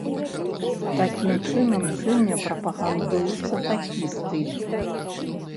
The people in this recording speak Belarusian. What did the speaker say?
Такім чынам сёння прапагандуецца такі стыль.